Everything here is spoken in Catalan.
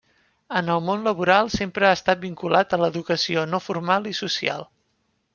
En el món laboral sempre ha estat vinculat a l'educació no formal i social.